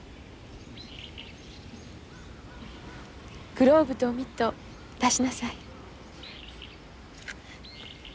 グローブとミット出しなさい。